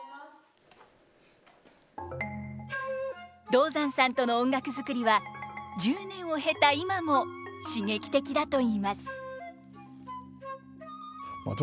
道山さんとの音楽作りは１０年を経た今も刺激的だといいます。